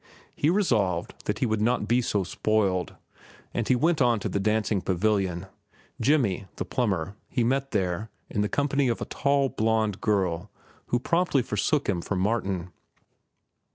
He resolved that he would not be so spoiled, and he went on to the dancing pavilion. Jimmy, the plumber, he met there, in the company of a tall, blond girl who promptly forsook him for Martin.